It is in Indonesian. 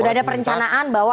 sudah ada perencanaan bahwa